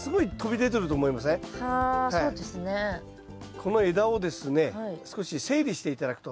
この枝をですね少し整理して頂くと。